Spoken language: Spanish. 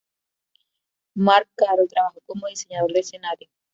Marc Caro trabajó como diseñador de escenarios.